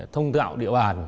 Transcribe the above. thông tạo địa bàn